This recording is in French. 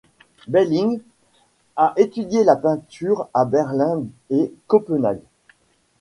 Balling a étudié la peinture à Berlin et Copenhague.